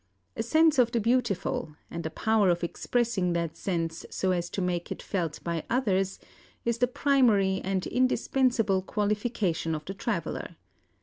A sense of the beautiful, and a power of expressing that sense so as to make it felt by others, is the primary and indispensable qualification of the traveller.